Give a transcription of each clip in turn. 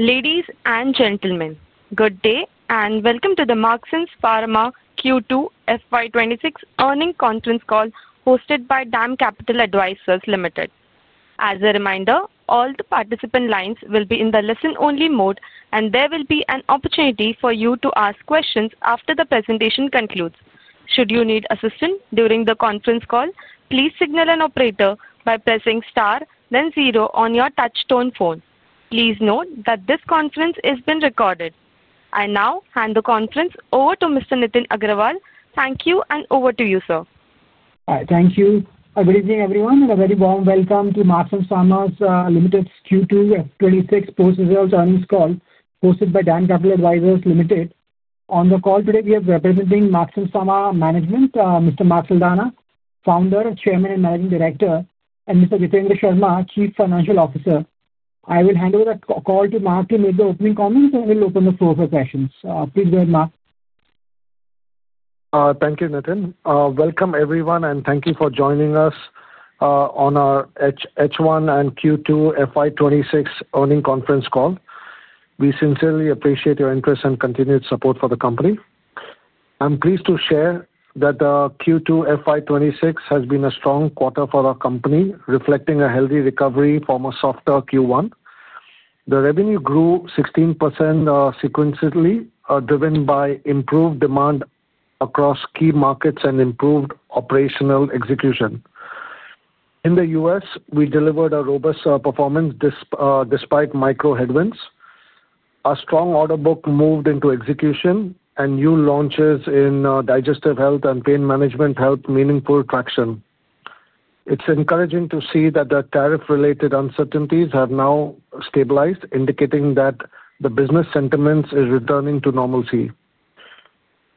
Ladies and gentlemen, good day and welcome to the Marksans Pharma Q2 FY 2026 earning conference call hosted by DAM Capital Advisors Limited. As a reminder, all the participant lines will be in the listen-only mode, and there will be an opportunity for you to ask questions after the presentation concludes. Should you need assistance during the conference call, please signal an operator by pressing star, then zero on your touch-tone phone. Please note that this conference is being recorded. I now hand the conference over to Mr. Nitin Agrawal. Thank you, and over to you, sir. Thank you. Good evening, everyone, and a very warm welcome to Marksans Pharma's Q2 FY 2026 post-result earnings call hosted by DAM Capital Advisors Limited. On the call today, we have representing Marksans Pharma management, Mr. Mark Saldanha, Founder, Chairman, and Managing Director, and Mr. Jitendra Sharma, Chief Financial Officer. I will hand over the call to Mark to make the opening comments, and we'll open the floor for questions. Please go ahead, Mark. Thank you, Nitin. Welcome, everyone, and thank you for joining us on our H1 and Q2 FY 2026 earning conference call. We sincerely appreciate your interest and continued support for the company. I'm pleased to share that Q2 FY 2026 has been a strong quarter for our company, reflecting a healthy recovery from a softer Q1. The revenue grew 16% sequentially, driven by improved demand across key markets and improved operational execution. In the U.S., we delivered a robust performance despite microheadwinds. Our strong order book moved into execution, and new launches in digestive health and pain management helped gain meaningful traction. It's encouraging to see that the tariff-related uncertainties have now stabilized, indicating that the business sentiment is returning to normalcy.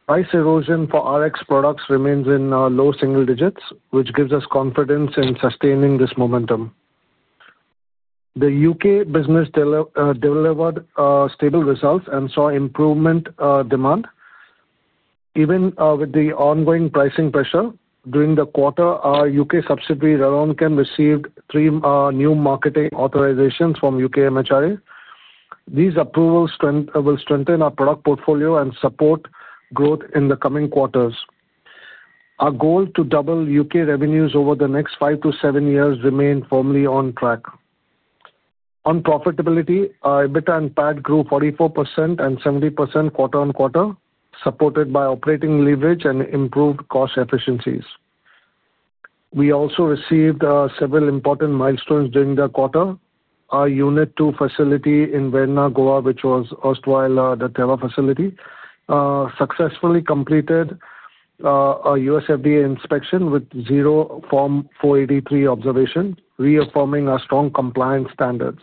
Price erosion for RX products remains in low single digits, which gives us confidence in sustaining this momentum. The U.K. business delivered stable results and saw improvement in demand. Even with the ongoing pricing pressure during the quarter, our U.K. subsidiary RangeChem received three new marketing authorizations from U.K. MHRA. These approvals will strengthen our product portfolio and support growth in the coming quarters. Our goal to double U.K. revenues over the next five to seven years remains firmly on track. On profitability, EBITDA and PAT grew 44% and 70% quarter-on-quarter, supported by operating leverage and improved cost efficiencies. We also received several important milestones during the quarter. Our Unit 2 facility in Verna, Goa, which was hosted while the Teva facility successfully completed a U.S. FDA inspection with zero Form 483 observation, reaffirming our strong compliance standards.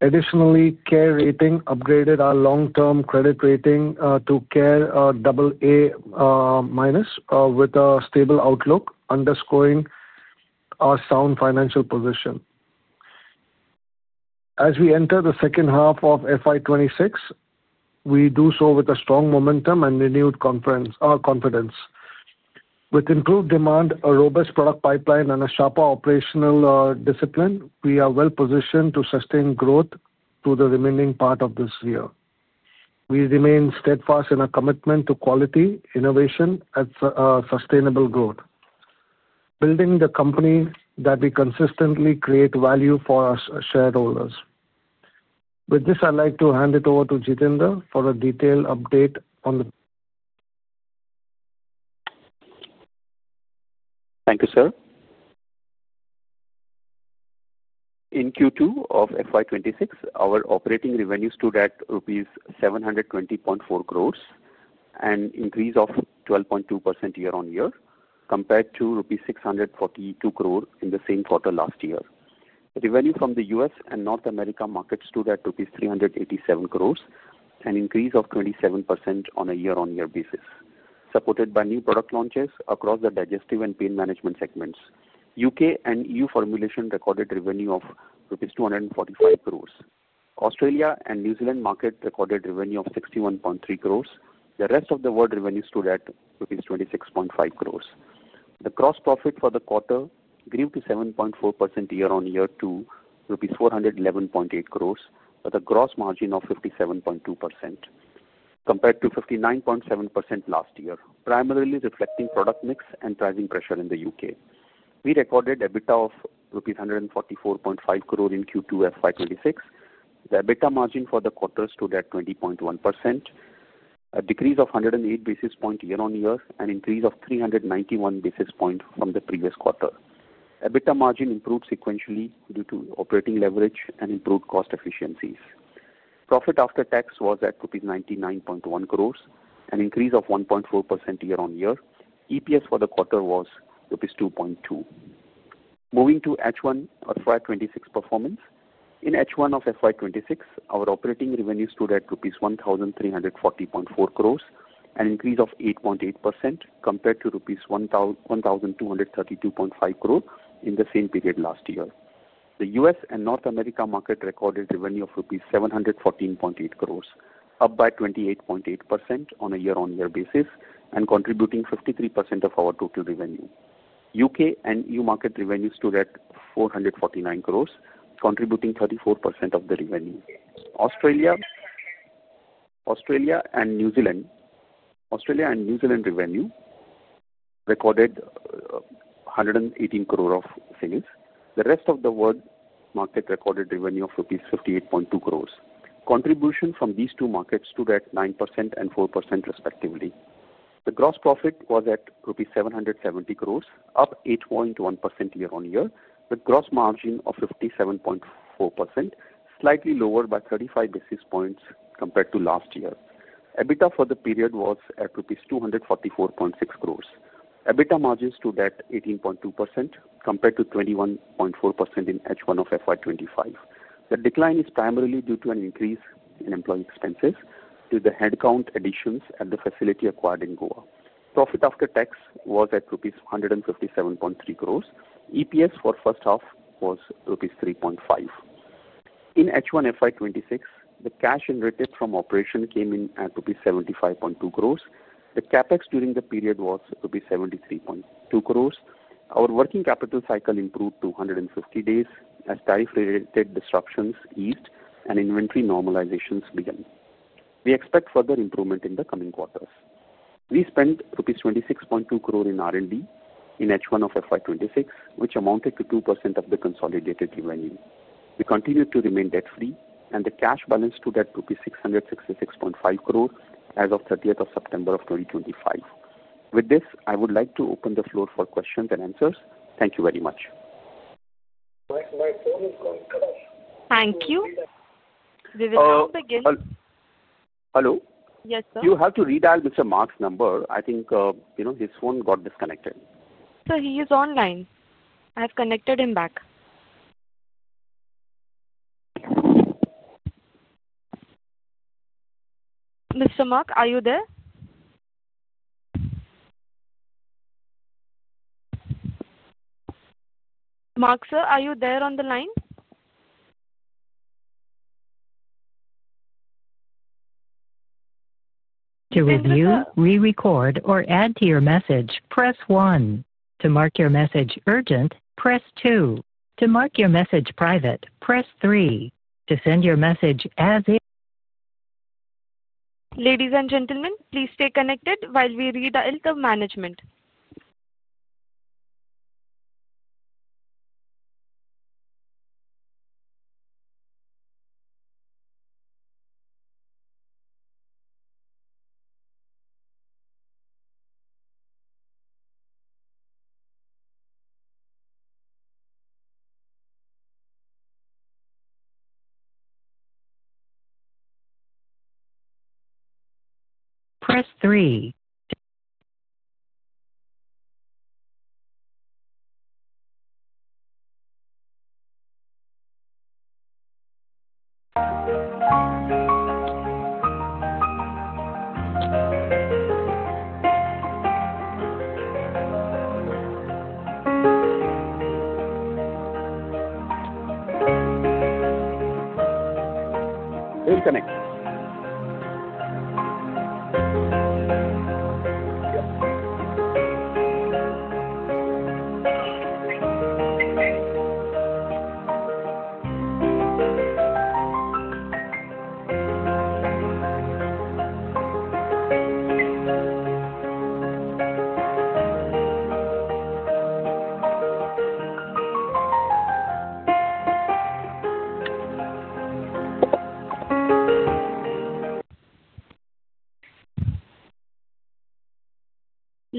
Additionally, CARE Ratings upgraded our long-term credit rating to CARE AA- with a stable outlook, underscoring our sound financial position. As we enter the second half of 2026, we do so with strong momentum and renewed confidence. With improved demand, a robust product pipeline, and a sharper operational discipline, we are well positioned to sustain growth through the remaining part of this year. We remain steadfast in our commitment to quality, innovation, and sustainable growth, building the company that we consistently create value for our shareholders. With this, I'd like to hand it over to Jitendra for a detailed update on the. Thank you, sir. In Q2 of FY 2026, our operating revenue stood at rupees 720.4 crore and increased by 12.2% year-on-year compared to rupees 642 crore in the same quarter last year. Revenue from the U.S. and North America markets stood at rupees 387 crore, an increase of 27% on a year-on-year basis, supported by new product launches across the digestive and pain management segments. U.K. and EU formulation recorded revenue of rupees 245 crore. Australia and New Zealand markets recorded revenue of 61.3 crore. The rest of the world revenue stood at rupees 26.5 crore. The gross profit for the quarter grew 7.4% year-on-year to rupees 411.8 crore, with a gross margin of 57.2% compared to 59.7% last year, primarily reflecting product mix and pricing pressure in the U.K. We recorded EBITDA of rupees 144.5 crore in Q2 FY 2026. The EBITDA margin for the quarter stood at 20.1%, a decrease of 108 basis points year-on-year, and an increase of 391 basis points from the previous quarter. EBITDA margin improved sequentially due to operating leverage and improved cost efficiencies. Profit after tax was at rupees 99.1 crore, an increase of 1.4% year-on-year. EPS for the quarter was rupees 2.2. Moving to H1 of FY 2026 performance. In H1 of FY 2026, our operating revenue stood at rupees 1,340.4 crore, an increase of 8.8% compared to rupees 1,232.5 crore in the same period last year. The U.S. and North America market recorded revenue of rupees 714.8 crore, up by 28.8% on a year-on-year basis, and contributing 53% of our total revenue. U.K. and EU market revenue stood at 449 crore, contributing 34% of the revenue. Australia and New Zealand revenue recorded 118 crore of sales. The rest of the world market recorded revenue of rupees 58.2 crore. Contribution from these two markets stood at 9% and 4% respectively. The gross profit was at rupees 770 crore, up 8.1% year-on-year, with a gross margin of 57.4%, slightly lower by 35 basis points compared to last year. EBITDA for the period was at INR 244.6 crore. EBITDA margin stood at 18.2% compared to 21.4% in H1 of 2025. The decline is primarily due to an increase in employee expenses due to the headcount additions at the facility acquired in Goa. Profit after tax was at rupees 157.3 crore. EPS for the first half was rupees 3.5. In H1 2026, the cash generated from operation came in at 75.2 crore. The CapEx during the period was 73.2 crore. Our working capital cycle improved to 150 days as tariff-related disruptions eased and inventory normalizations began. We expect further improvement in the coming quarters. We spent rupees 26.2 crore in R&D in H1 of FY 2026, which amounted to 2% of the consolidated revenue. We continued to remain debt-free, and the cash balance stood at rupees 666.5 crore as of 30th of September 2025. With this, I would like to open the floor for questions and answers. Thank you very much. Thank you. We will now begin. Hello. Yes, sir. You have to redial Mr. Mark Saldanha's number. I think his phone got disconnected. Sir, he is online. I have connected him back. Mr. Mark, are you there? Mark, sir, are you there on the line? To review, re-record, or add to your message, press one. To mark your message urgent, press two. To mark your message private, press three. To send your message as. Ladies and gentlemen, please stay connected while we redial to management. Press three. Disconnect.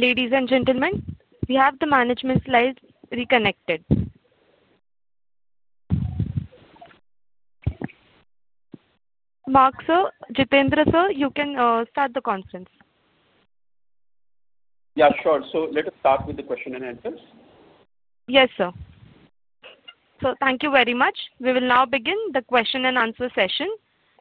Ladies and gentlemen, we have the management line reconnected. Mark, sir, Jitendra, sir, you can start the conference. Yeah, sure. Let us start with the question and answers. Yes, sir. Thank you very much. We will now begin the question-and-answer session.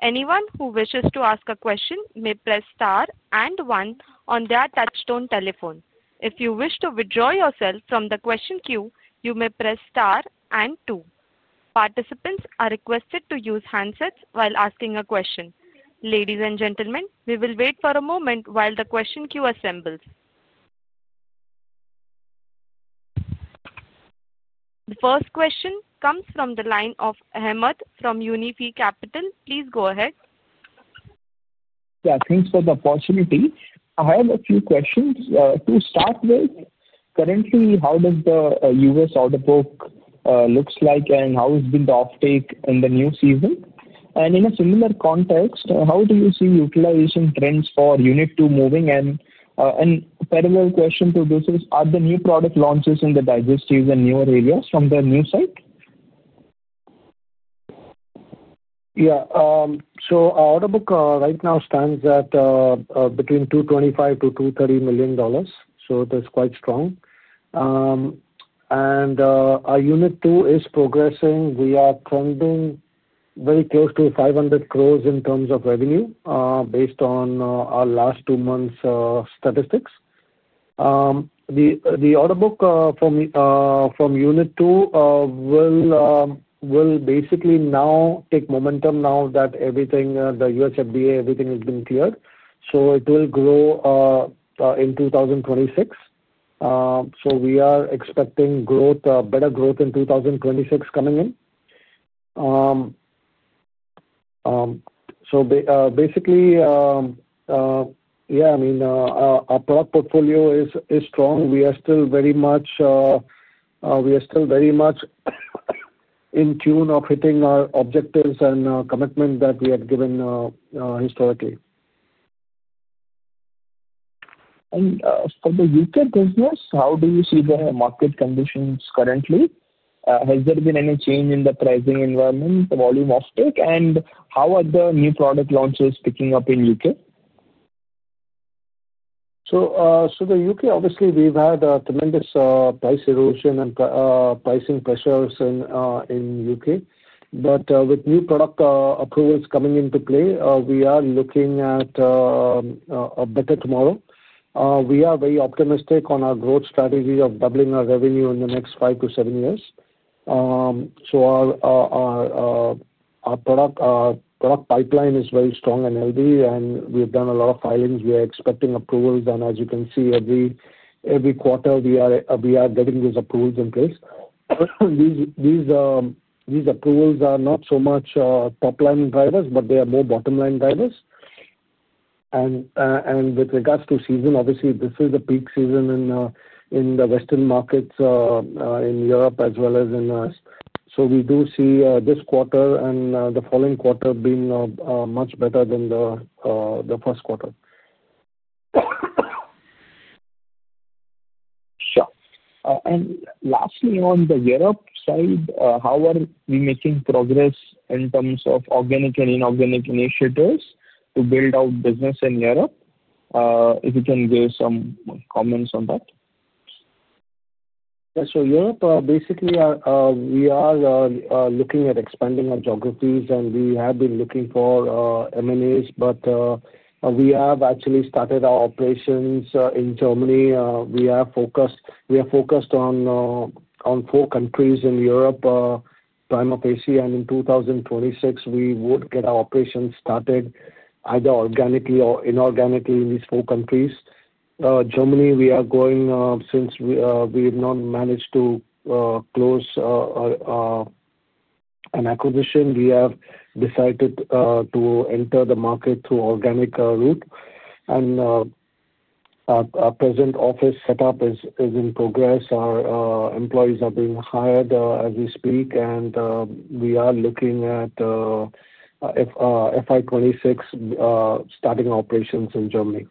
Anyone who wishes to ask a question may press star and one on their touchstone telephone. If you wish to withdraw yourself from the question queue, you may press star and two. Participants are requested to use handsets while asking a question. Ladies and gentlemen, we will wait for a moment while the question queue assembles. The first question comes from the line of Ahmed from Unifi Capital. Please go ahead. Yeah, thanks for the opportunity. I have a few questions. To start with, currently, how does the U.S. order book look like, and how has been the offtake in the new season? In a similar context, how do you see utilization trends for Unit 2 moving? A parallel question to this is, are the new product launches in the digestive and newer areas from the new site? Yeah. Our order book right now stands at between $225 million- 230 million. That is quite strong. Our Unit 2 is progressing. We are trending very close to 500 crore in terms of revenue based on our last two months' statistics. The order book from Unit 2 will basically now take momentum now that everything, the US FDA, everything has been cleared. It will grow in 2026. We are expecting better growth in 2026 coming in. Basically, yeah, I mean, our product portfolio is strong. We are still very much in tune of hitting our objectives and commitment that we have given historically. For the U.K. business, how do you see the market conditions currently? Has there been any change in the pricing environment, the volume offtake, and how are the new product launches picking up in the U.K.? The U.K., obviously, we've had tremendous price erosion and pricing pressures in the U.K. With new product approvals coming into play, we are looking at a better tomorrow. We are very optimistic on our growth strategy of doubling our revenue in the next five to seven years. Our product pipeline is very strong and healthy, and we've done a lot of filings. We are expecting approvals. As you can see, every quarter, we are getting these approvals in place. These approvals are not so much top-line drivers, but they are more bottom-line drivers. With regards to season, obviously, this is the peak season in the Western markets in Europe as well as in the U.S. We do see this quarter and the following quarter being much better than the first quarter. Sure. Lastly, on the Europe side, how are we making progress in terms of organic and inorganic initiatives to build out business in Europe? If you can give some comments on that. Yeah. Europe, basically, we are looking at expanding our geographies, and we have been looking for M&As, but we have actually started our operations in Germany. We are focused on four countries in Europe, prime of Asia. In 2026, we would get our operations started either organically or inorganically in these four countries. Germany, we are going since we have not managed to close an acquisition. We have decided to enter the market through the organic route. Our present office setup is in progress. Our employees are being hired as we speak, and we are looking at FY 2026 starting operations in Germany.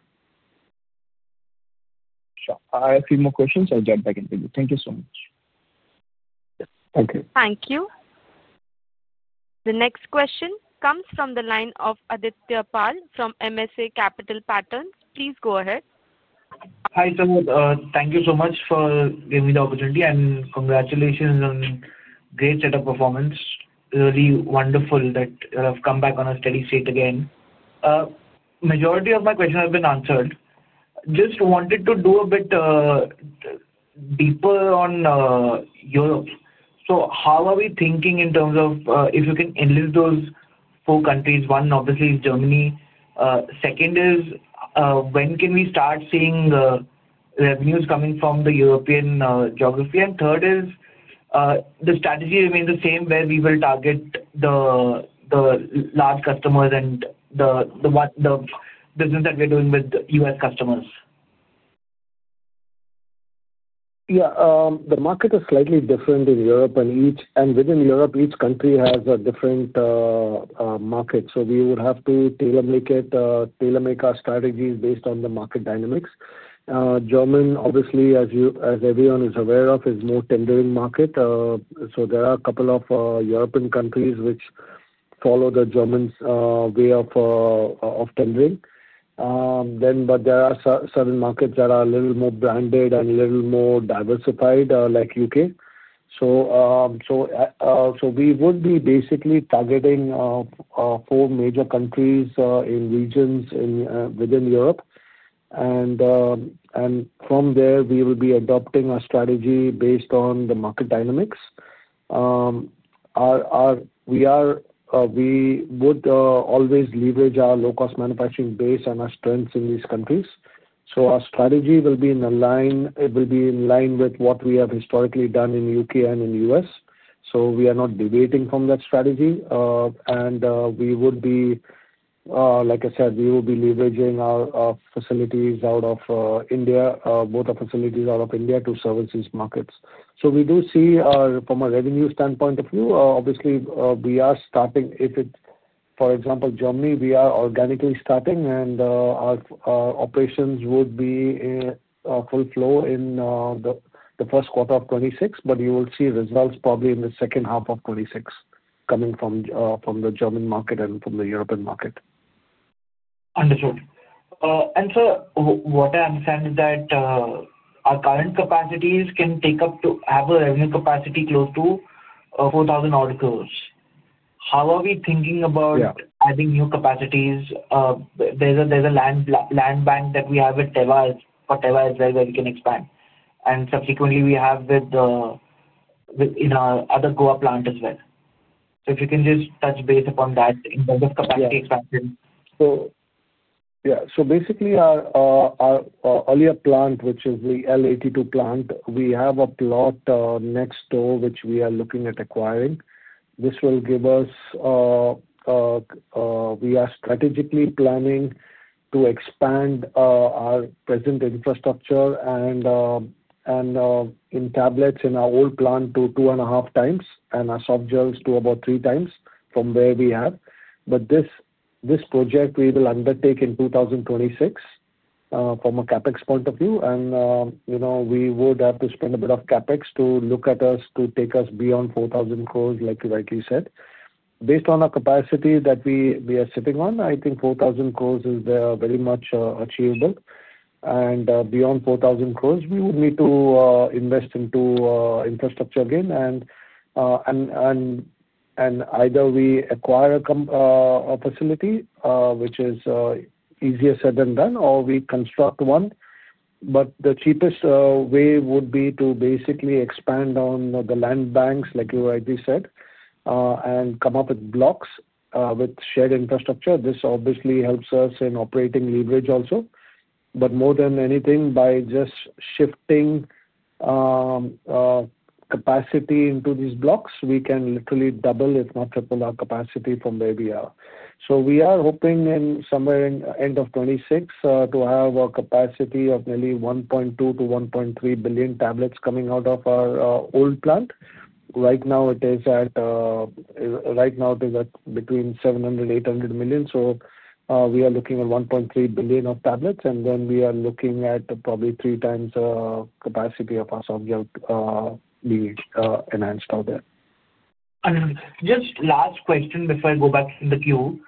Sure. I have a few more questions. I'll jump back into it. Thank you so much. Okay. Thank you. The next question comes from the line of Adityapal from MSA Capital Partners. Please go ahead. Hi Samud. Thank you so much for giving me the opportunity and congratulations on great setup performance. Really wonderful that you have come back on a steady state again. The majority of my questions have been answered. Just wanted to do a bit deeper on Europe. How are we thinking in terms of if you can enlist those four countries? One, obviously, is Germany. Second is, when can we start seeing revenues coming from the European geography? Third is, the strategy remains the same where we will target the large customers and the business that we are doing with U.S. customers. Yeah. The market is slightly different in Europe, and within Europe, each country has a different market. We would have to tailor-make our strategies based on the market dynamics. Germany, obviously, as everyone is aware of, is a more tendering market. There are a couple of European countries which follow the German way of tendering. There are certain markets that are a little more branded and a little more diversified, like the U.K. We would be basically targeting four major countries and regions within Europe. From there, we will be adopting our strategy based on the market dynamics. We would always leverage our low-cost manufacturing base and our strengths in these countries. Our strategy will be in line with what we have historically done in the U.K. and in the U.S. We are not deviating from that strategy. Like I said, we will be leveraging our facilities out of India, both our facilities out of India to service these markets. We do see, from a revenue standpoint of view, obviously, we are starting. For example, Germany, we are organically starting, and our operations would be full flow in the first quarter of 2026. You will see results probably in the second half of 2026 coming from the German market and from the European market. Understood. Sir, what I understand is that our current capacities can take up to have a revenue capacity close to 4,000 crore. How are we thinking about adding new capacities? There is a land bank that we have with Teva as well where we can expand. Subsequently, we have with our other Goa plant as well. If you can just touch base upon that in terms of capacity expansion. Yeah. So basically, our earlier plant, which is the L82 plant, we have a plot next door which we are looking at acquiring. This will give us, we are strategically planning to expand our present infrastructure and entablate our old plant to two and a half times and our soft gels to about three times from where we have. This project, we will undertake in 2026 from a CapEx point of view. We would have to spend a bit of CapEx to look at us to take us beyond 4,000 crore, like you rightly said. Based on our capacity that we are sitting on, I think 4,000 crore is very much achievable. Beyond 4,000 crore, we would need to invest into infrastructure again. Either we acquire a facility, which is easier said than done, or we construct one. The cheapest way would be to basically expand on the land banks, like you rightly said, and come up with blocks with shared infrastructure. This obviously helps us in operating leverage also. More than anything, by just shifting capacity into these blocks, we can literally double, if not triple, our capacity from where we are. We are hoping somewhere in the end of 2026 to have a capacity of nearly 1.2-1.3 billion tablets coming out of our old plant. Right now, it is at between 700 million-800 million. We are looking at 1.3 billion tablets. We are looking at probably three times the capacity of our soft gel being enhanced out there. Just last question before I go back in the queue.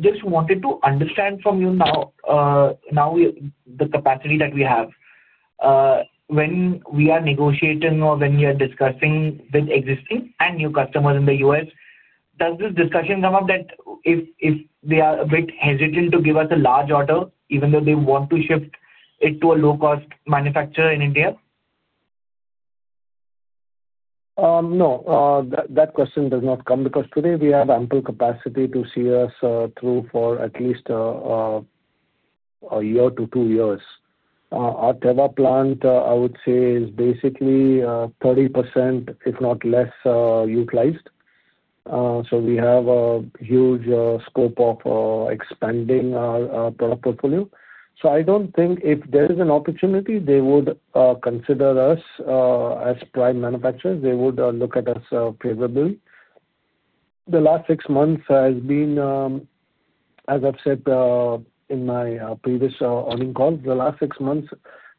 Just wanted to understand from you now the capacity that we have. When we are negotiating or when we are discussing with existing and new customers in the U.S., does this discussion come up that if they are a bit hesitant to give us a large order, even though they want to shift it to a low-cost manufacturer in India? No. That question does not come because today we have ample capacity to see us through for at least a year to two years. Our Teva plant, I would say, is basically 30%, if not less, utilized. We have a huge scope of expanding our product portfolio. I do not think if there is an opportunity, they would consider us as prime manufacturers. They would look at us favorably. The last six months has been, as I have said in my previous earning call, the last six months,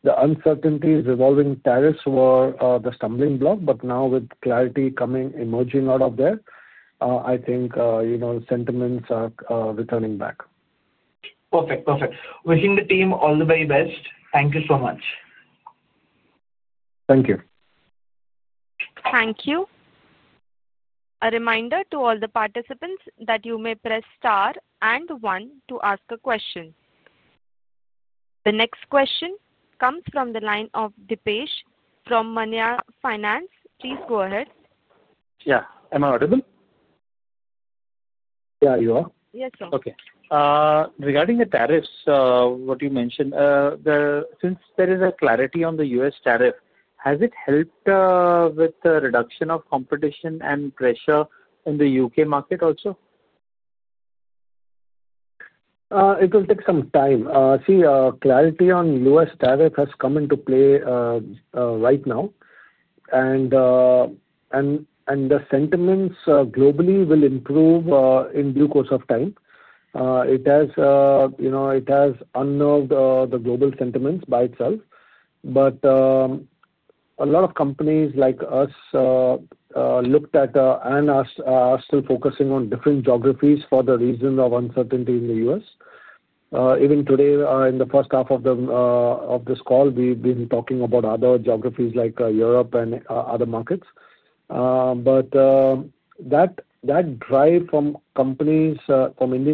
the uncertainty and revolving tariffs were the stumbling block. Now, with clarity emerging out of there, I think sentiments are returning back. Perfect. Perfect. Wishing the team all the very best. Thank you so much. Thank you. Thank you. A reminder to all the participants that you may press star and one to ask a question. The next question comes from the line of Deepesh from Manya Finance. Please go ahead. Yeah. Am I audible? Yeah, you are. Yes, sir. Okay. Regarding the tariffs, what you mentioned, since there is a clarity on the U.S. tariff, has it helped with the reduction of competition and pressure in the U.K. market also? It will take some time. See, clarity on U.S. tariff has come into play right now. The sentiments globally will improve in due course of time. It has unnerved the global sentiments by itself. A lot of companies like us looked at and are still focusing on different geographies for the reason of uncertainty in the U.S. Even today, in the first half of this call, we've been talking about other geographies like Europe and other markets. That drive from Indian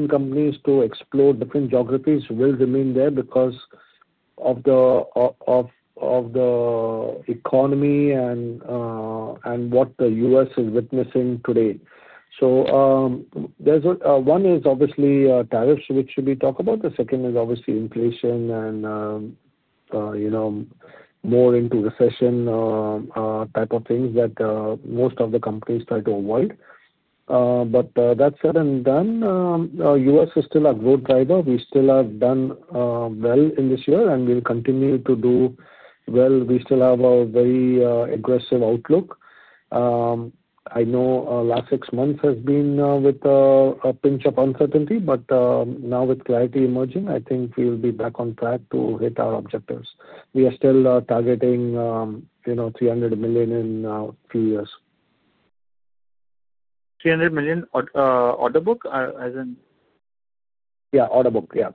companies to explore different geographies will remain there because of the economy and what the U.S. is witnessing today. One is obviously tariffs, which we talk about. The second is obviously inflation and more into recession type of things that most of the companies try to avoid. That said and done, U.S. is still a growth driver. We still have done well in this year, and we'll continue to do well. We still have a very aggressive outlook. I know the last six months has been with a pinch of uncertainty, but now with clarity emerging, I think we will be back on track to hit our objectives. We are still targeting $300 million in a few years. $300 million order book? Yeah. Order book, yeah.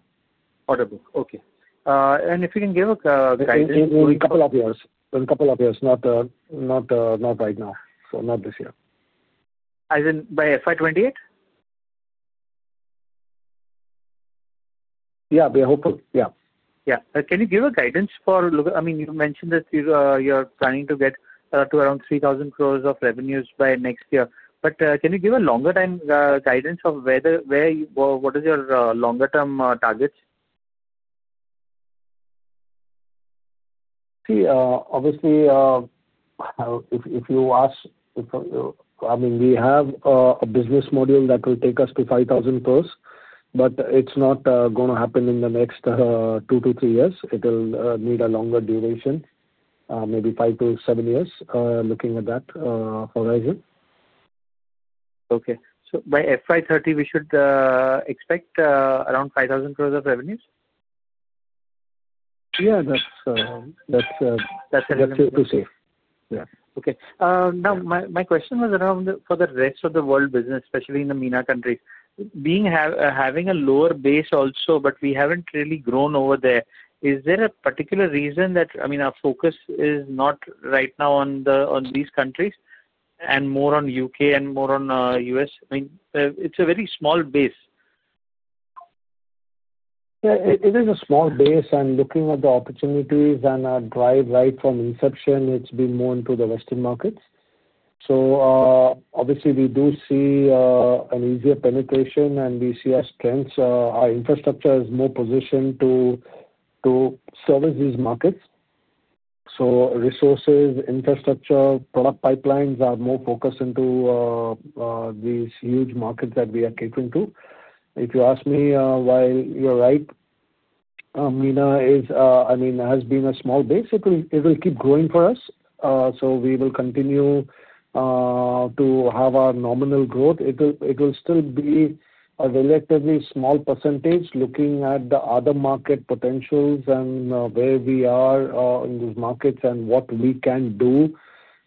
Order book. Okay. If you can give a guidance. In a couple of years. Not right now. Not this year. As in by FY 2028? Yeah. We are hoping. Yeah. Yeah. Can you give a guidance for, I mean, you mentioned that you're planning to get to around 3,000 crore of revenues by next year. Can you give a longer-term guidance of what are your longer-term targets? See, obviously, if you ask, I mean, we have a business module that will take us to 5,000 crore, but it's not going to happen in the next two to three years. It will need a longer duration, maybe five to seven years, looking at that horizon. Okay. So by FY 2030, we should expect around 5,000 crore of revenues? Yeah. That's too safe. Yeah. Okay. Now, my question was around for the rest of the world business, especially in the MENA countries. Having a lower base also, but we have not really grown over there. Is there a particular reason that, I mean, our focus is not right now on these countries and more on U.K. and more on U.S.? I mean, it is a very small base. Yeah. It is a small base. Looking at the opportunities and our drive right from inception, it has been more into the Western markets. Obviously, we do see an easier penetration, and we see our strengths. Our infrastructure is more positioned to service these markets. Resources, infrastructure, product pipelines are more focused into these huge markets that we are catering to. If you ask me, while you are right, MENA has been a small base. It will keep growing for us. We will continue to have our nominal growth. It will still be a relatively small percentage looking at the other market potentials and where we are in those markets and what we can do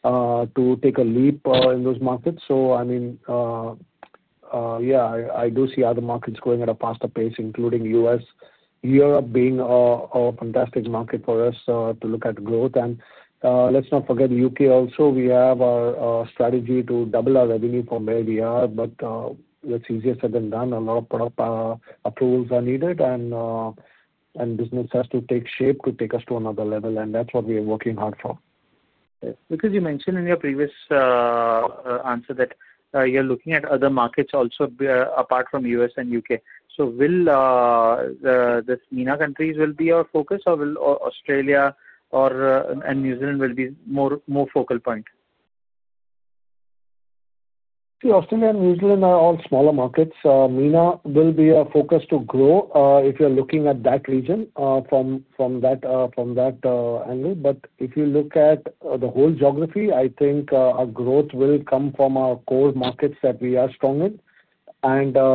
to take a leap in those markets. I mean, yeah, I do see other markets going at a faster pace, including the U.S., Europe being a fantastic market for us to look at growth. Let's not forget the U.K. also. We have our strategy to double our revenue from where we are. That's easier said than done. A lot of product approvals are needed, and business has to take shape to take us to another level. That's what we are working hard for. Because you mentioned in your previous answer that you're looking at other markets also apart from US and UK. Will these MENA countries be our focus, or will Australia and New Zealand be more focal points? See, Australia and New Zealand are all smaller markets. MENA will be our focus to grow if you're looking at that region from that angle. If you look at the whole geography, I think our growth will come from our core markets that we are strong in.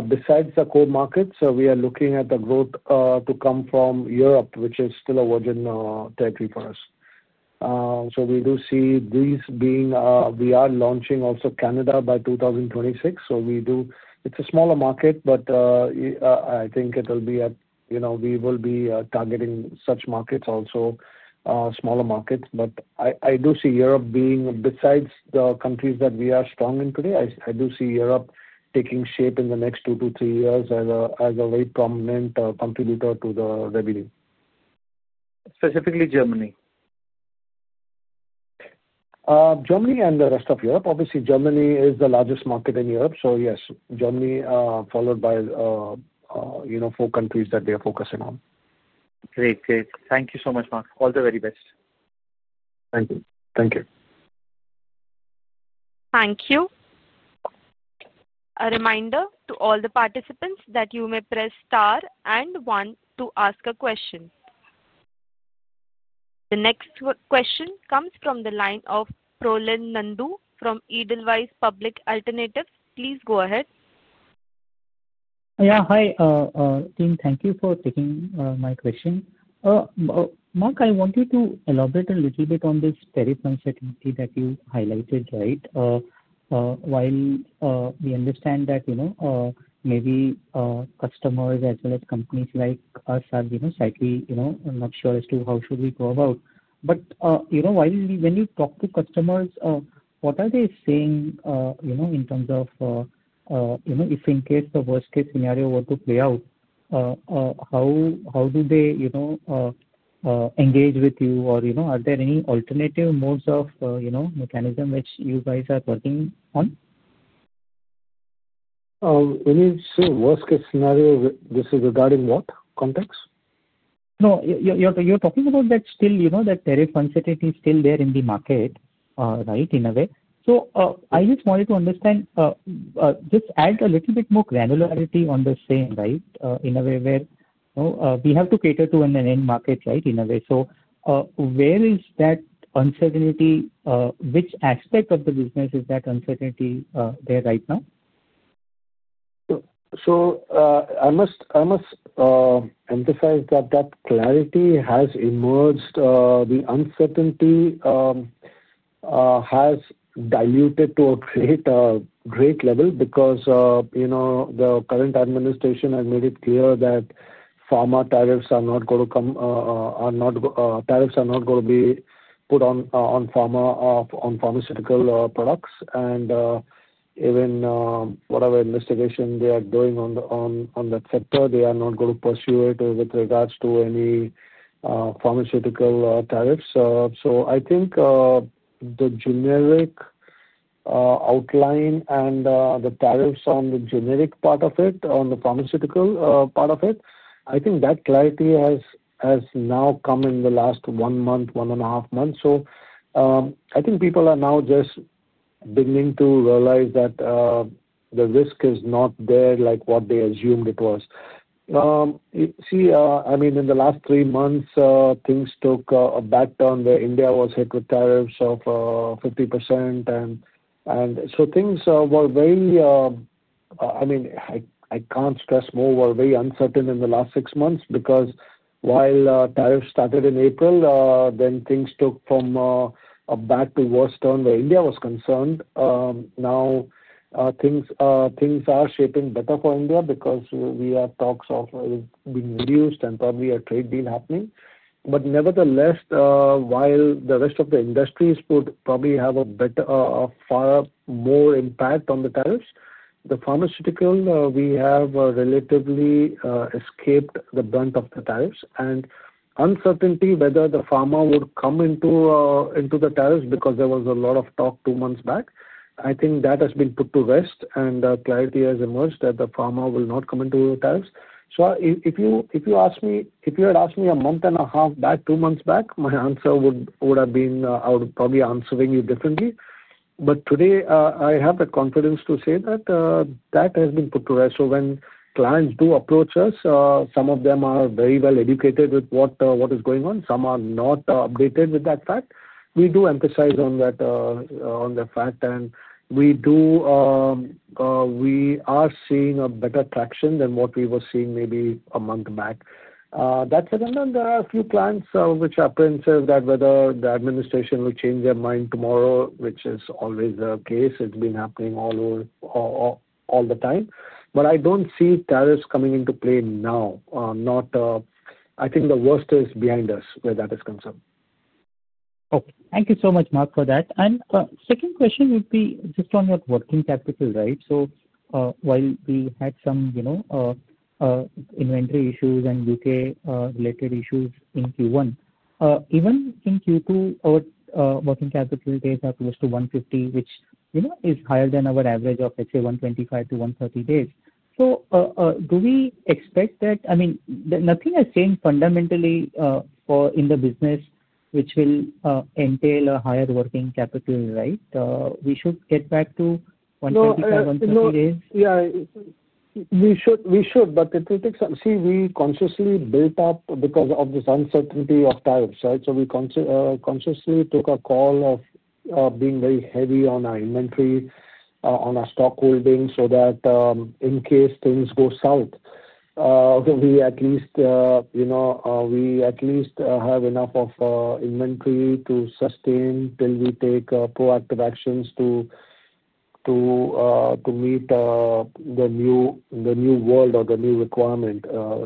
Besides the core markets, we are looking at the growth to come from Europe, which is still a virgin territory for us. We do see these being, we are launching also Canada by 2026. It is a smaller market, but I think we will be targeting such markets also, smaller markets. I do see Europe being, besides the countries that we are strong in today, I do see Europe taking shape in the next two to three years as a very prominent contributor to the revenue. Specifically Germany? Germany and the rest of Europe. Obviously, Germany is the largest market in Europe. Yes, Germany, followed by four countries that we are focusing on. Great. Great. Thank you so much, Mark. All the very best. Thank you. Thank you. Thank you. A reminder to all the participants that you may press star and one to ask a question. The next question comes from the line of Prolen Nandu from Edelweiss Public Alternatives. Please go ahead. Yeah. Hi, team. Thank you for taking my question. Mark, I want you to elaborate a little bit on this tariff uncertainty that you highlighted, right? While we understand that maybe customers as well as companies like us are slightly not sure as to how should we go about. When you talk to customers, what are they saying in terms of if in case the worst-case scenario were to play out, how do they engage with you? Are there any alternative modes of mechanism which you guys are working on? When you say worst-case scenario, this is regarding what context? No. You're talking about that tariff uncertainty is still there in the market, right, in a way. I just wanted to understand, just add a little bit more granularity on the same, right, in a way where we have to cater to an end market, right, in a way. Where is that uncertainty? Which aspect of the business is that uncertainty there right now? I must emphasize that clarity has emerged. The uncertainty has diluted to a great level because the current administration has made it clear that pharma tariffs are not going to come, tariffs are not going to be put on pharma or on pharmaceutical products. Even whatever investigation they are doing on that sector, they are not going to pursue it with regards to any pharmaceutical tariffs. I think the generic outline and the tariffs on the generic part of it, on the pharmaceutical part of it, that clarity has now come in the last one month, one and a half months. I think people are now just beginning to realize that the risk is not there like what they assumed it was. I mean, in the last three months, things took a bad turn where India was hit with tariffs of 50%. Things were very, I mean, I can't stress more, were very uncertain in the last six months because while tariffs started in April, things took from a bad to worse turn where India was concerned. Now, things are shaping better for India because we have talks of being reduced and probably a trade deal happening. Nevertheless, while the rest of the industries would probably have a far more impact on the tariffs, the pharmaceutical, we have relatively escaped the brunt of the tariffs. Uncertainty whether the pharma would come into the tariffs because there was a lot of talk two months back, I think that has been put to rest. Clarity has emerged that the pharma will not come into the tariffs. If you ask me, if you had asked me a month and a half back, two months back, my answer would have been I would probably be answering you differently. Today, I have the confidence to say that that has been put to rest. When clients do approach us, some of them are very well educated with what is going on. Some are not updated with that fact. We do emphasize on that fact. We are seeing a better traction than what we were seeing maybe a month back. That said, there are a few clients which are apprehensive that whether the administration will change their mind tomorrow, which is always the case. It's been happening all the time. I don't see tariffs coming into play now. I think the worst is behind us where that is concerned. Okay. Thank you so much, Mark, for that. Second question would be just on your working capital, right? While we had some inventory issues and U.K.-related issues in Q1, even in Q2, our working capital days are close to 150, which is higher than our average of, let's say, 125-130 days. Do we expect that? I mean, nothing has changed fundamentally in the business, which will entail a higher working capital, right? We should get back to 125-130 days? Yeah. We should. It will take some time. See, we consciously built up because of this uncertainty of tariffs, right? We consciously took a call of being very heavy on our inventory, on our stock holding so that in case things go south, we at least have enough inventory to sustain till we take proactive actions to meet the new world or the new requirement,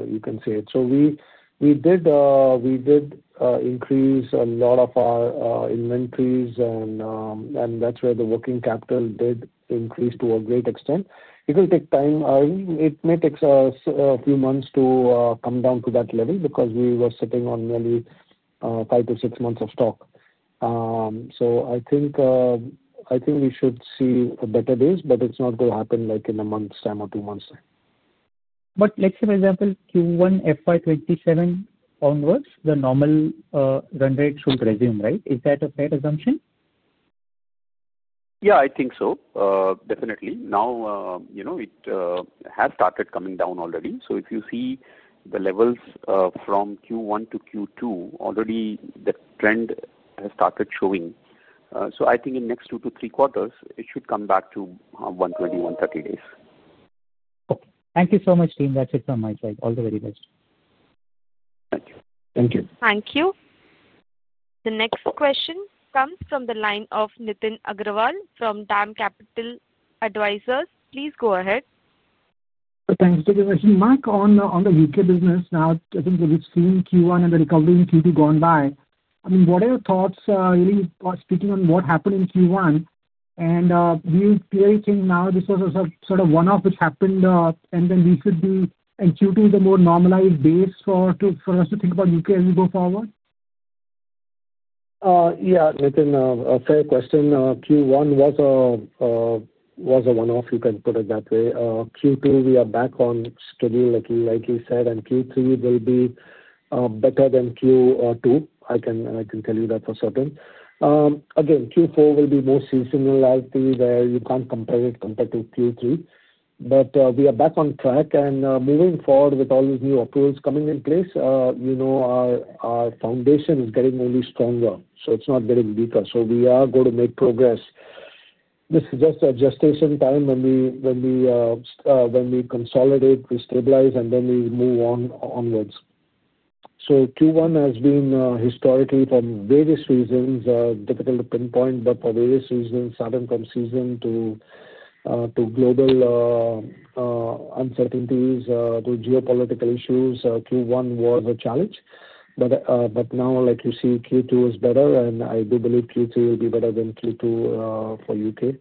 you can say. We did increase a lot of our inventories, and that is where the working capital did increase to a great extent. It will take time. It may take a few months to come down to that level because we were sitting on nearly five to six months of stock. I think we should see better days, but it is not going to happen in a month's time or two months. Let's say, for example, Q1, FY 2027 onwards, the normal run rate should resume, right? Is that a fair assumption? Yeah, I think so. Definitely. Now, it has started coming down already. If you see the levels from Q1 to Q2, already the trend has started showing. I think in the next two to three quarters, it should come back to 120-130 days. Okay. Thank you so much, team. That's it from my side. All the very best. Thank you. Thank you. Thank you. The next question comes from the line of Nitin Agrawal from DAM Capital Advisors.. Please go ahead. Thanks for the question, Mark. On the U.K. business, now, I think we've seen Q1 and the recovery in Q2 gone by. I mean, what are your thoughts, really, speaking on what happened in Q1? Do you clearly think now this was a sort of one-off which happened, and then we should be in Q2 the more normalized base for us to think about U.K. as we go forward? Yeah, Nitin, a fair question. Q1 was a one-off, you can put it that way. Q2, we are back on schedule, like you said. Q3 will be better than Q2. I can tell you that for certain. Again, Q4 will be more seasonality where you can't compare it compared to Q3. We are back on track. Moving forward with all these new approvals coming in place, our foundation is getting only stronger. It is not getting weaker. We are going to make progress. This is just a gestation time when we consolidate, we stabilize, and then we move onwards. Q1 has been historically, for various reasons, difficult to pinpoint, but for various reasons, starting from season to global uncertainties to geopolitical issues, Q1 was a challenge. Like you see, Q2 is better, and I do believe Q3 will be better than Q2 for the U.K.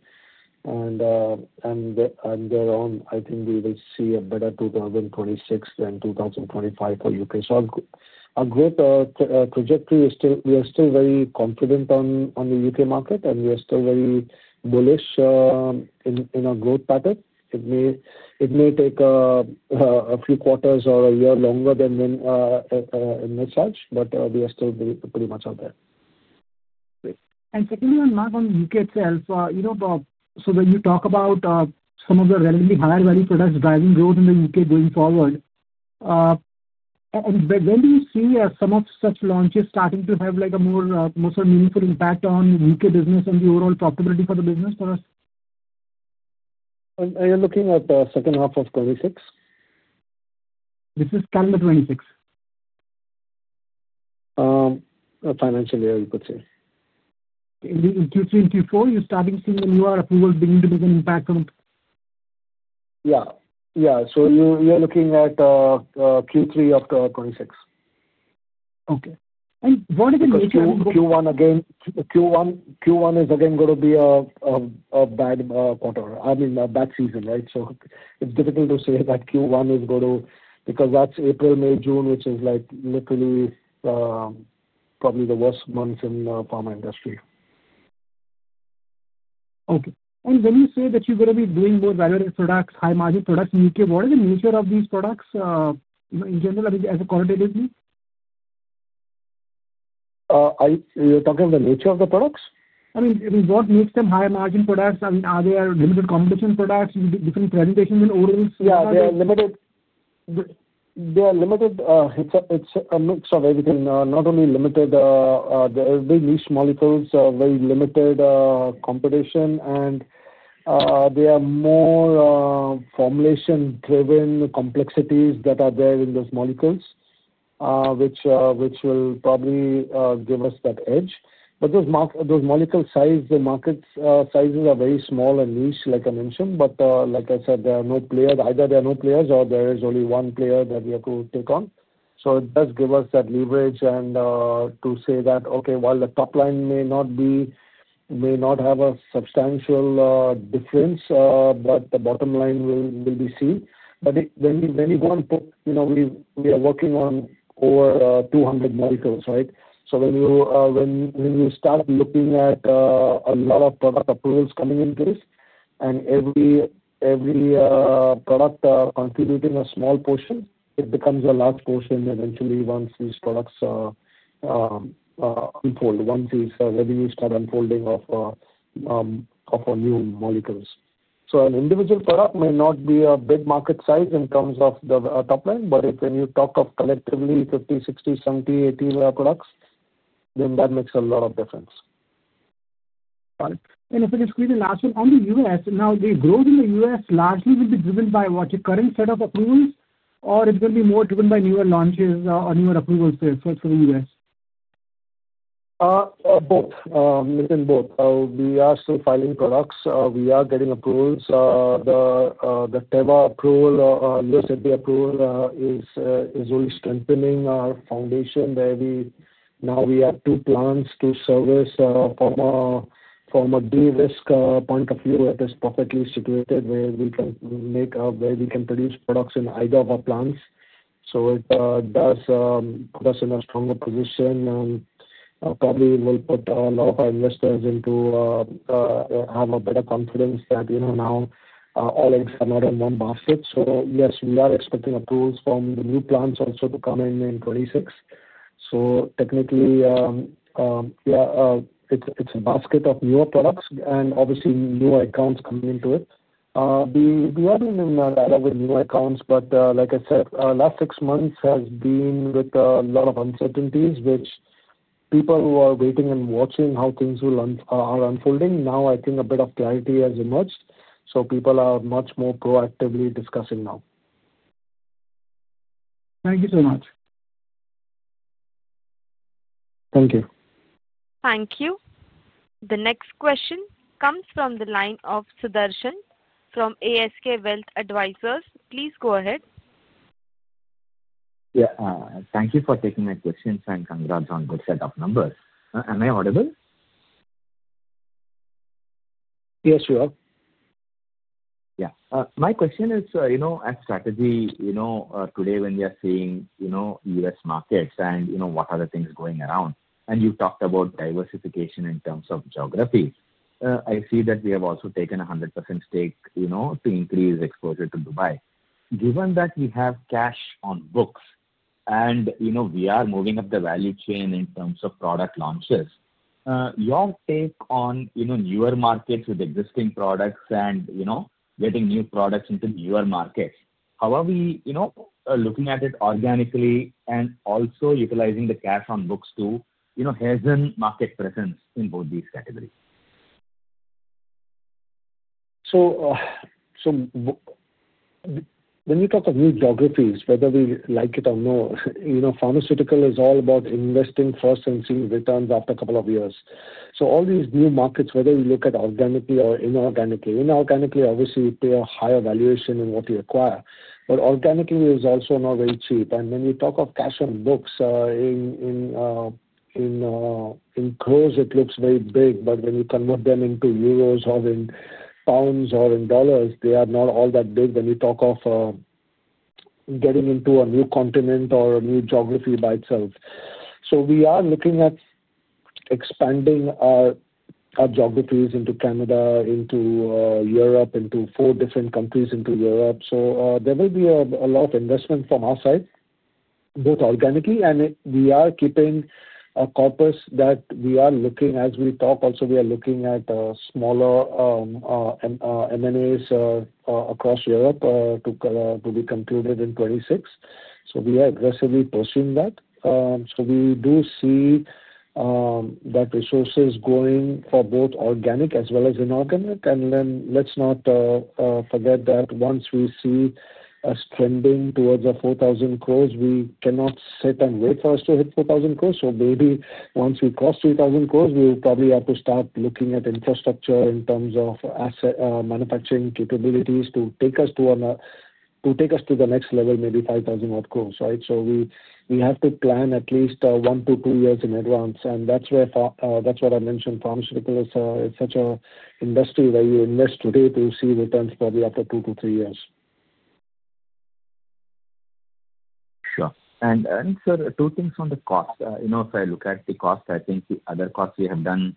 Thereon, I think we will see a better 2026 than 2025 for the U.K. A great trajectory. We are still very confident on the U.K. market, and we are still very bullish in our growth pattern. It may take a few quarters or a year longer than such, but we are still pretty much out there. Secondly, Mark, on U.K. itself, when you talk about some of the relatively higher-value products driving growth in the U.K. going forward, when do you see some of such launches starting to have a more meaningful impact on U.K. business and the overall profitability for the business for us? Are you looking at the second half of 2026? This is calendar 2026. Financial year, you could say. In Q3 and Q4, you're starting to see the newer approvals beginning to make an impact? Yeah. Yeah. So you're looking at Q3 of 2026. Okay. What is the nature of? Q1, again, Q1 is again going to be a bad quarter. I mean, a bad season, right? It is difficult to say that Q1 is going to because that is April, May, June, which is literally probably the worst month in the pharma industry. Okay. When you say that you're going to be doing more valuable products, high-margin products in the U.K., what is the nature of these products in general, as a qualitative? You're talking about the nature of the products? I mean, what makes them high-margin products? I mean, are there limited competition products, different presentations in oils? Yeah. They are limited. It is a mix of everything. Not only limited, the very niche molecules are very limited competition, and they are more formulation-driven complexities that are there in those molecules, which will probably give us that edge. Those molecule sizes, the market sizes are very small and niche, like I mentioned. Like I said, there are no players. Either there are no players or there is only one player that we have to take on. It does give us that leverage to say that, okay, while the top line may not have a substantial difference, the bottom line will be seen. When you go and put we are working on over 200 molecules, right? When you start looking at a lot of product approvals coming into this, and every product contributing a small portion, it becomes a large portion eventually once these products unfold, once these revenues start unfolding of new molecules. An individual product may not be a big market size in terms of the top line, but if you talk of collectively 50-60 to 70-80 products, then that makes a lot of difference. Got it. If I can squeeze in last one, on the U.S., now, the growth in the U.S. largely will be driven by what, your current set of approvals, or it's going to be more driven by newer launches or newer approvals for the U.S.? Both. Within both. We are still filing products. We are getting approvals. The Teva approval, USAP approval is really strengthening our foundation where now we have two plants to service from a de-risk point of view. That is perfectly situated where we can make, where we can produce products in either of our plants. It does put us in a stronger position and probably will put a lot of our investors into, have a better confidence that now all eggs are not in one basket. Yes, we are expecting approvals from the new plants also to come in in 2026. Technically, yeah, it is a basket of newer products and obviously newer accounts coming into it. We haven't been in a lot of new accounts, but like I said, last six months has been with a lot of uncertainties, which people who are waiting and watching how things are unfolding. Now, I think a bit of clarity has emerged. People are much more proactively discussing now. Thank you so much. Thank you. Thank you. The next question comes from the line of Sudarshan from ASK Wealth Advisors. Please go ahead. Yeah. Thank you for taking my questions and congrats on good set of numbers. Am I audible? Yes, you are. Yeah. My question is, as strategy, today when we are seeing U.S. markets and what other things going around, and you talked about diversification in terms of geography, I see that we have also taken a 100% stake to increase exposure to Dubai. Given that we have cash on books and we are moving up the value chain in terms of product launches, your take on newer markets with existing products and getting new products into newer markets, how are we looking at it organically and also utilizing the cash on books too? Hasn't market presence in both these categories? When you talk of new geographies, whether we like it or not, pharmaceutical is all about investing first and seeing returns after a couple of years. All these new markets, whether you look at organically or inorganically, inorganically, obviously, you pay a higher valuation in what you acquire. Organically is also not very cheap. When you talk of cash on books, in crores, it looks very big, but when you convert them into euros or in pounds or in dollars, they are not all that big when you talk of getting into a new continent or a new geography by itself. We are looking at expanding our geographies into Canada, into Europe, into four different countries in Europe. There will be a lot of investment from our side, both organically, and we are keeping a corpus that we are looking at as we talk. Also, we are looking at smaller M&As across Europe to be concluded in 2026. We are aggressively pursuing that. We do see that resources going for both organic as well as inorganic. Let's not forget that once we see a trending towards 4,000 crore, we cannot sit and wait for us to hit 4,000 crore. Maybe once we cross 3,000 crore, we will probably have to start looking at infrastructure in terms of manufacturing capabilities to take us to the next level, maybe 5,000-odd crore, right? We have to plan at least one to two years in advance. That's what I mentioned. Pharmaceuticals is such an industry where you invest today to see returns probably after two to three years. Sure. Two things on the cost. If I look at the cost, I think the other cost, we have done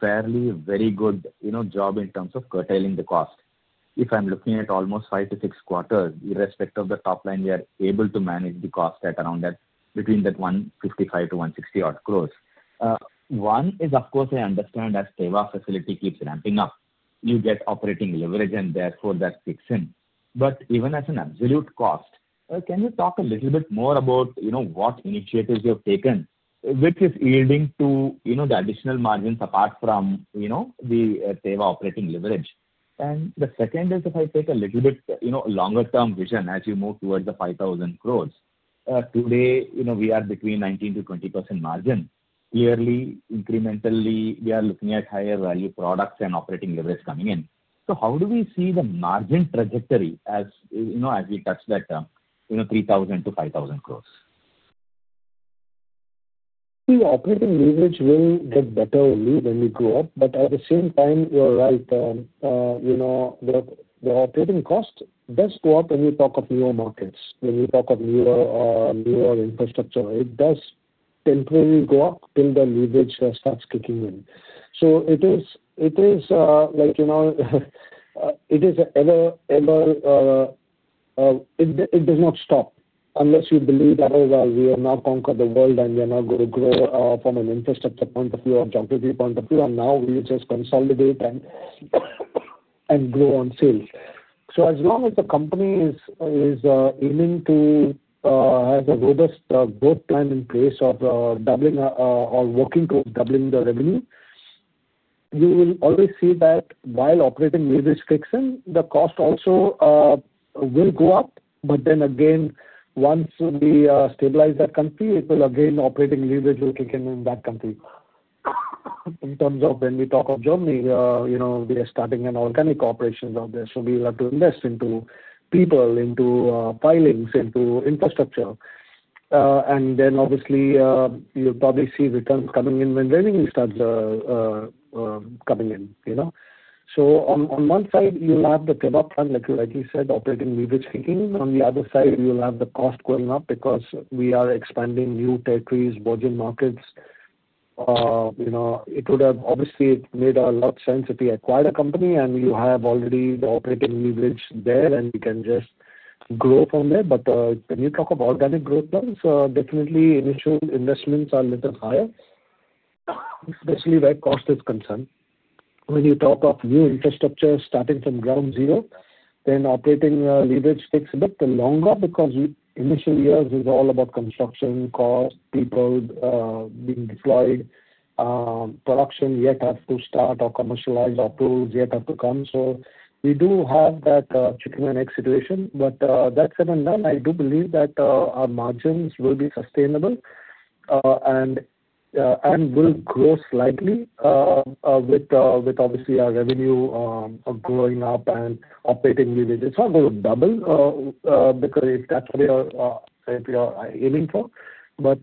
fairly very good job in terms of curtailing the cost. If I am looking at almost five to six quarters, irrespective of the top line, we are able to manage the cost at around between that 155 crore-160 crore. One is, of course, I understand as Teva facility keeps ramping up, you get operating leverage, and therefore that kicks in. Even as an absolute cost, can you talk a little bit more about what initiatives you have taken which is yielding to the additional margins apart from the Teva operating leverage? The second is, if I take a little bit longer-term vision as you move towards the 5,000 crore, today we are between 19%-20% margin. Clearly, incrementally, we are looking at higher-value products and operating leverage coming in. How do we see the margin trajectory as we touch that INR 3,000-INR 5,000 crore? I think the operating leverage will get better only when we go up. At the same time, you're right. The operating cost does go up when you talk of newer markets, when you talk of newer infrastructure. It does temporarily go up till the leverage starts kicking in. It is like it is ever, it does not stop unless you believe that, "Oh, we have now conquered the world and we are now going to grow from an infrastructure point of view or geography point of view." Now we just consolidate and grow on sales. As long as the company is aiming to have a robust growth plan in place of doubling or working towards doubling the revenue, you will always see that while operating leverage kicks in, the cost also will go up. Then again, once we stabilize that country, operating leverage will kick in in that country. In terms of when we talk of Germany, we are starting an organic operation out there. We will have to invest into people, into filings, into infrastructure. Obviously, you'll probably see returns coming in when revenue starts coming in. On one side, you'll have the Teva plant, like you said, operating leverage kicking in. On the other side, you'll have the cost going up because we are expanding new territories, budget markets. It would have obviously made a lot of sense if you acquired a company and you have already the operating leverage there and you can just grow from there. When you talk of organic growth plans, definitely initial investments are a little higher, especially where cost is concerned. When you talk of new infrastructure starting from ground zero, then operating leverage takes a bit longer because initial years is all about construction, cost, people being deployed, production yet has to start or commercialize, our tools yet have to come. We do have that chicken-and-egg situation. That said and done, I do believe that our margins will be sustainable and will grow slightly with obviously our revenue growing up and operating leverage. It's not going to double because if that's what you're aiming for. We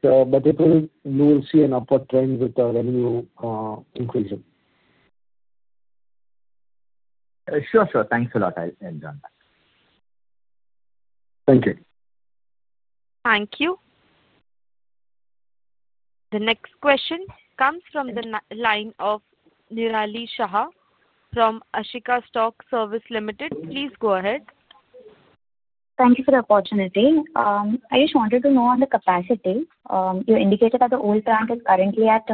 will see an upward trend with the revenue increasing. Sure, sure. Thanks a lot. I'll join that. Thank you. Thank you. The next question comes from the line of Nirali Shah from Ashika Stock Service Limited. Please go ahead. Thank you for the opportunity. I just wanted to know on the capacity. You indicated that the old plant is currently at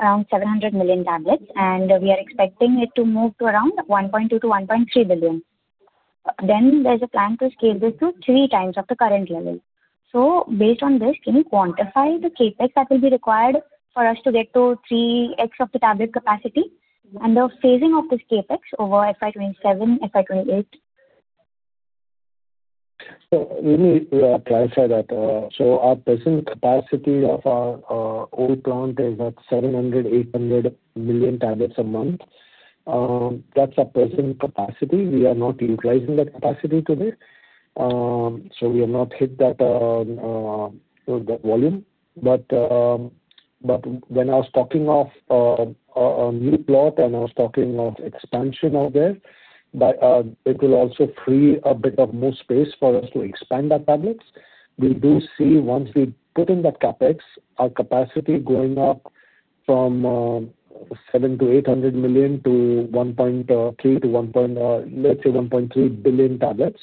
around 700 million tablets, and we are expecting it to move to around 1.2 billion-1.3 billion. Then there is a plan to scale this to three times of the current level. Based on this, can you quantify the CapEx that will be required for us to get to 3x of the tablet capacity and the phasing of this CapEx over FY 2027, FY 2028? Let me clarify that. Our present capacity of our old plant is at 700 million-800 million tablets a month. That is our present capacity. We are not utilizing that capacity today. We have not hit that volume. When I was talking of a new plot and I was talking of expansion out there, it will also free a bit more space for us to expand our tablets. We do see once we put in that CapEx, our capacity going up from 700 million-800 million to 1.3 billion tablets.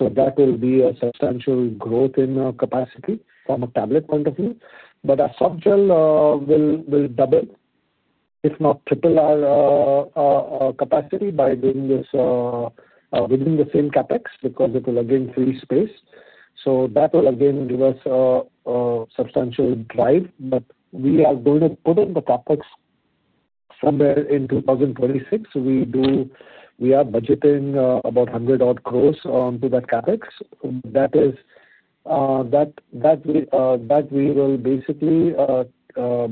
That will be a substantial growth in our capacity from a tablet point of view. Our soft gel will double, if not triple, our capacity by doing this within the same CapEx because it will again free space. That will again give us a substantial drive. We are going to put in the CapEx somewhere in 2026. We are budgeting about 100 crore-odd onto that CapEx. We will basically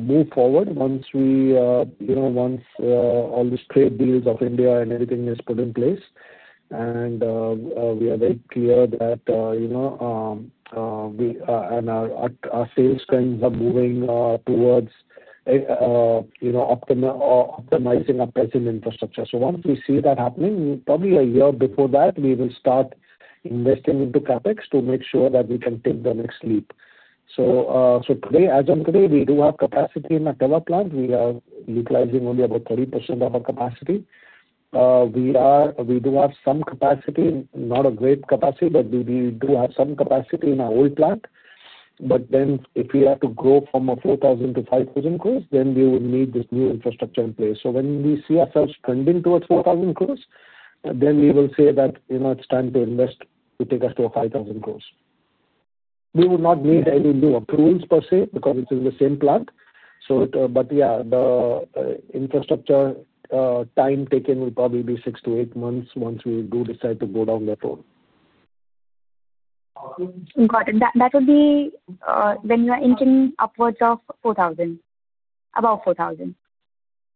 move forward once all the trade deals of India and everything is put in place. We are very clear that our sales trends are moving towards optimizing our present infrastructure. Once we see that happening, probably a year before that, we will start investing into CapEx to make sure that we can take the next leap. As of today, we do have capacity in our Teva plant. We are utilizing only about 30% of our capacity. We do have some capacity, not a great capacity, but we do have some capacity in our old plant. If we have to grow from 4,000 crore to 5,000 crore, then we will need this new infrastructure in place. When we see ourselves trending towards 4,000 crore, then we will say that it's time to invest to take us to 5,000 crore. We will not need any new approvals per se because it's in the same plant. Yeah, the infrastructure time taken will probably be six to eight months once we do decide to go down that road. Got it. That would be when you are inching upwards of 4,000 crore, above 4,000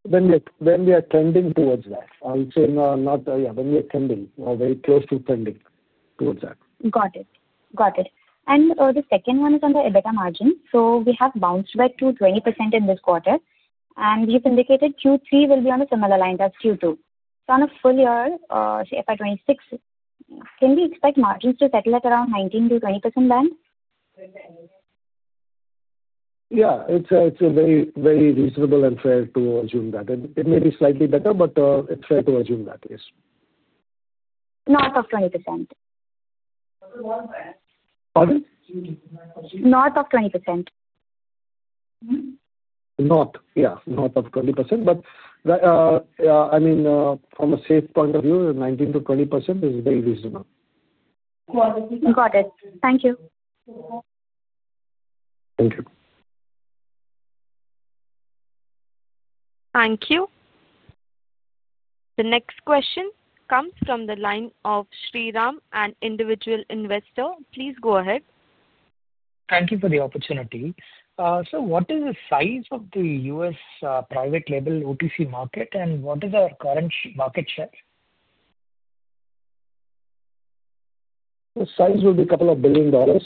crore. When we are trending towards that. I'm saying, yeah, when we are trending or very close to trending towards that. Got it. Got it. The second one is on the EBITDA margin. We have bounced back to 20% in this quarter. You have indicated Q3 will be on a similar line as Q2. On a full year, say FY 2026, can we expect margins to settle at around 19-20% then? Yeah. It's very reasonable and fair to assume that. It may be slightly better, but it's fair to assume that, yes. North of 20%. Pardon? North of 20%. North, yeah. North of 20%. I mean, from a safe point of view, 19%-20% is very reasonable. Got it. Thank you. Thank you. Thank you. The next question comes from the line of Sriram, an individual investor. Please go ahead. Thank you for the opportunity. What is the size of the U.S. private label OTC market, and what is our current market share? The size will be a couple of billion dollars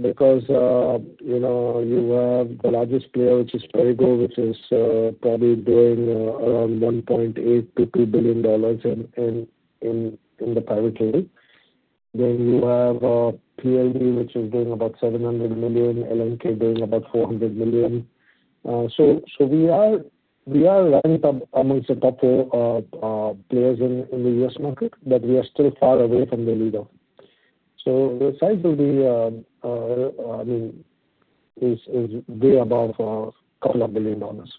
because you have the largest player, which is Perrigo, which is probably doing around $1.8 billion-$2 billion in the private label. Then you have PLV, which is doing about $700 million, LNK doing about $400 million. We are ranked amongst the top four players in the US market, but we are still far away from the leader. The size will be, I mean, is way above a couple of billion dollars.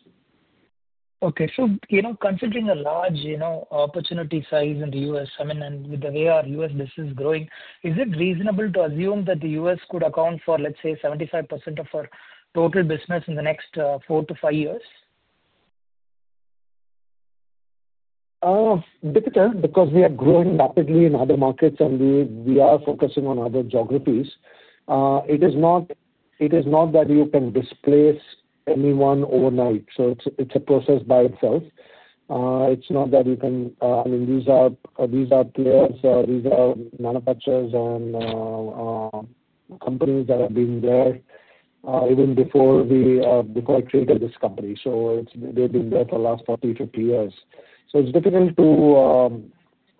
Okay. So considering the large opportunity size in the U.S., I mean, and with the way our U.S. business is growing, is it reasonable to assume that the US could account for, let's say, 75% of our total business in the next four to five years? Difficult because we are growing rapidly in other markets, and we are focusing on other geographies. It is not that you can displace anyone overnight. It is a process by itself. It is not that you can, I mean, these are players, these are manufacturers and companies that have been there even before I created this company. They have been there for the last 40-50 years. It is difficult to,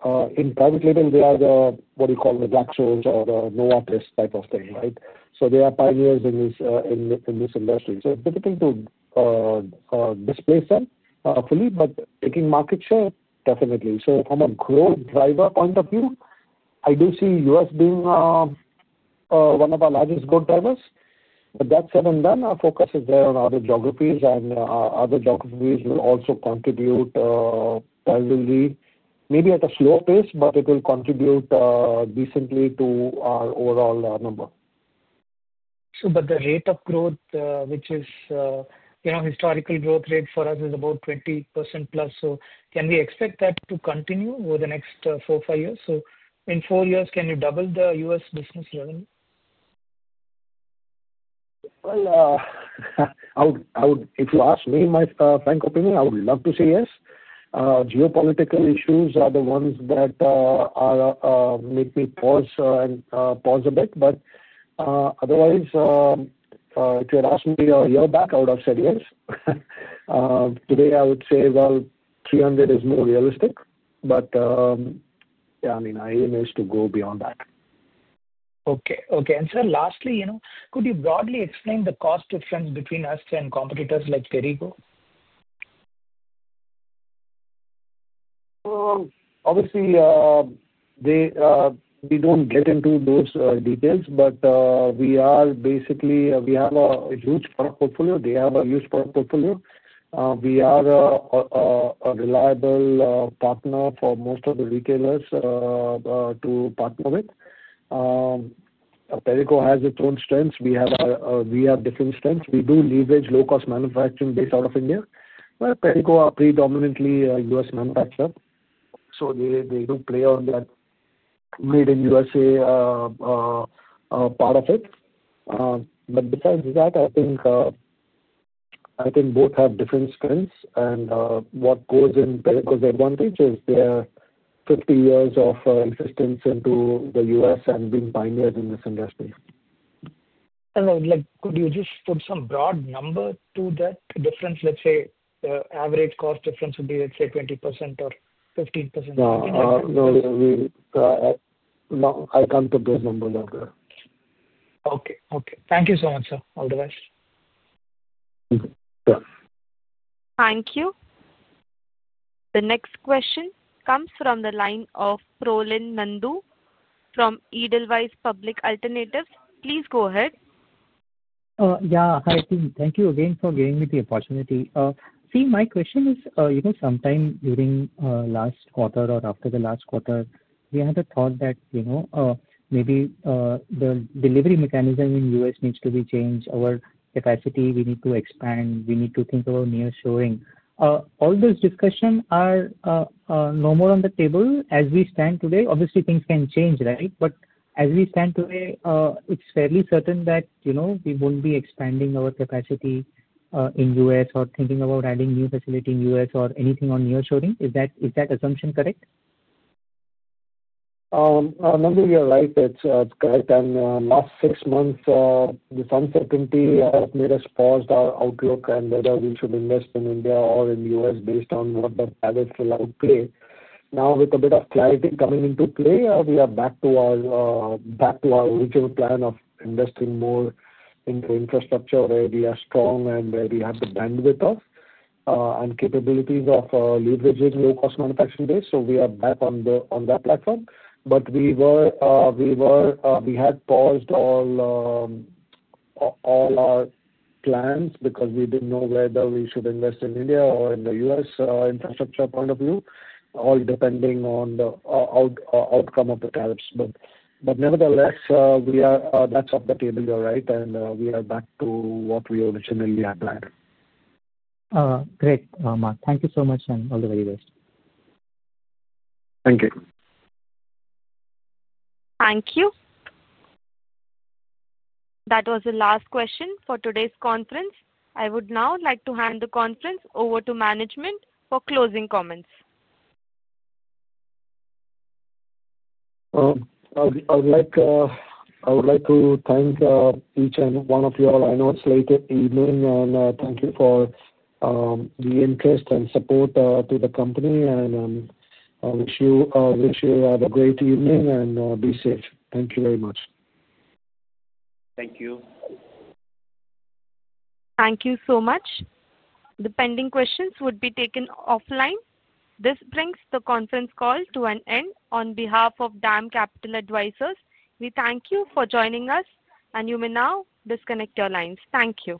in private label, they are the, what do you call, the black shoes or the Noah test type of thing, right? They are pioneers in this industry. It is difficult to displace them fully, but taking market share, definitely. From a growth driver point of view, I do see U.S. being one of our largest growth drivers. That said and done, our focus is there on other geographies, and other geographies will also contribute gradually, maybe at a slow pace, but it will contribute decently to our overall number. The rate of growth, which is historical growth rate for us, is about 20%+. Can we expect that to continue over the next four or five years? In four years, can you double the U.S. business revenue? If you ask me my frank opinion, I would love to say yes. Geopolitical issues are the ones that make me pause a bit. Otherwise, if you had asked me a year back, I would have said yes. Today, I would say, 300 crore is more realistic. Yeah, I mean, our aim is to go beyond that. Okay. Okay. Lastly, could you broadly explain the cost difference between us and competitors like Perrigo? Obviously, we do not get into those details, but we are basically, we have a huge product portfolio. They have a huge product portfolio. We are a reliable partner for most of the retailers to partner with. Perrigo has its own strengths. We have different strengths. We do leverage low-cost manufacturing based out of India. Perrigo is predominantly a U.S. manufacturer. They do play on that made in U.S.A. part of it. Besides that, I think both have different strengths. What goes in Perrigo's advantage is their 50 years of existence in the U.S. and being pioneers in this industry. Could you just put some broad number to that difference? Let's say the average cost difference would be, let's say, 20% or 15%. No, I can't put those numbers out there. Okay. Okay. Thank you so much, sir. All the best. Thank you. Thank you. The next question comes from the line of Prolen Nandu from Edelweiss Public Alternatives. Please go ahead. Yeah. Hi, team. Thank you again for giving me the opportunity. See, my question is, sometime during last quarter or after the last quarter, we had a thought that maybe the delivery mechanism in the U.S. needs to be changed. Our capacity, we need to expand. We need to think about nearshoring. All those discussions are no more on the table as we stand today. Obviously, things can change, right? As we stand today, it's fairly certain that we won't be expanding our capacity in the U.S. or thinking about adding new facilities in the U,S. or anything on nearshoring. Is that assumption correct? Nandu, you're right. It's correct. In the last six months, this uncertainty has made us pause our outlook and whether we should invest in India or in the U.S.-based on what the pivot will outplay. Now, with a bit of clarity coming into play, we are back to our original plan of investing more into infrastructure where we are strong and where we have the bandwidth of and capabilities of leveraging low-cost manufacturing base. We are back on that platform. We had paused all our plans because we did not know whether we should invest in India or in the U.S. infrastructure point of view, all depending on the outcome of the tariffs. Nevertheless, that's off the table. You're right. We are back to what we originally had planned. Great, Mark. Thank you so much and all the very best. Thank you. Thank you. That was the last question for today's conference. I would now like to hand the conference over to management for closing comments. I would like to thank each and every one of you all. I know it's late evening, and thank you for the interest and support to the company. I wish you have a great evening and be safe. Thank you very much. Thank you. Thank you so much. The pending questions would be taken offline. This brings the conference call to an end on behalf of DAM Capital Advisors. We thank you for joining us, and you may now disconnect your lines. Thank you.